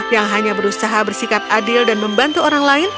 yang hanya berusaha bersikap adil dan membantu orang lain